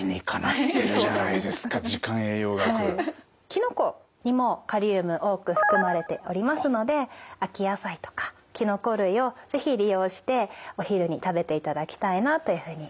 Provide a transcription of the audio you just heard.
きのこにもカリウム多く含まれておりますので秋野菜とかきのこ類を是非利用してお昼に食べていただきたいなというふうに思っています。